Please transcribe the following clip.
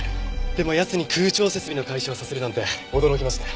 でも奴に空調設備の会社をさせるなんて驚きました。